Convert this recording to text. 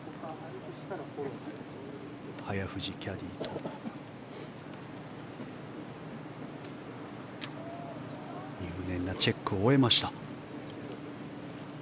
早藤キャディーと入念なチェックを終えました。